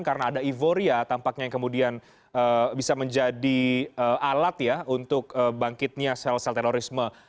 karena ada euforia tampaknya yang kemudian bisa menjadi alat untuk bangkitnya sel sel terorisme